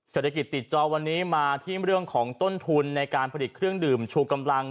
เศรษฐกิจติดจอวันนี้มาที่เรื่องของต้นทุนในการผลิตเครื่องดื่มชูกำลัง